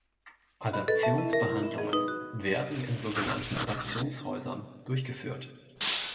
Adaptionsbehandlungen werden in so genannten Adaptionshäusern durchgeführt.